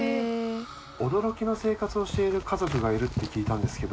驚きの生活をしている家族がいるって聞いたんですけど。